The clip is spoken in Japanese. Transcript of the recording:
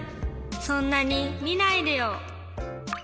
そんなにみないでよ。